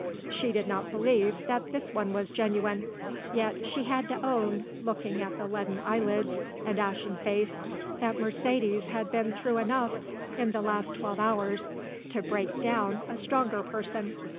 She did not believe that this one was genuine, yet she had to own, looking at the leaden eyelids and ashen face, that Mercedes had been through enough in the last twelve hours to break down a stronger person.